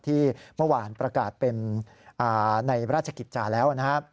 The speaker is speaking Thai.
ที่เมื่อวานประกาศเป็นในราชกิจจ่ายแล้ว